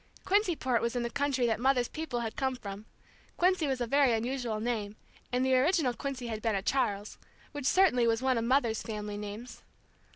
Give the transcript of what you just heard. Quincyport was in the county that Mother's people had come from; Quincy was a very unusual name, and the original Quincy had been a Charles, which certainly was one of Mother's family names.